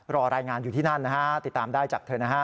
รอรายงานอยู่ที่นั่นนะฮะติดตามได้จากเธอนะฮะ